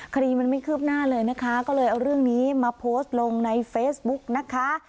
คดีมันไม่คืบหน้าเลยนะคะก็เลยเอาเรื่องนี้มาโพสต์ลงในเฟซบุ๊กนะคะ